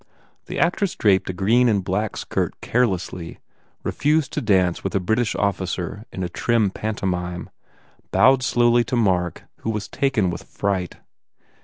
The actress draped a green and black skirt carelessly, refused" to dance with a British officer in a trim pantomime, bowed slowly to Mark who was taken with fright.